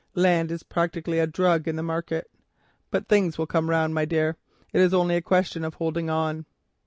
Land is practically a drug in the market. But things will come round, my dear. It is only a question of holding on."